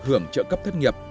hướng dẫn cho các doanh nghiệp